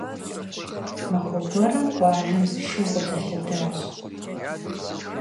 Махуэ гуэрым къуажэм зы шу къыдэлъэдащ.